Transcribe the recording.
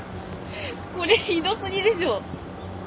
これひどすぎでしょ！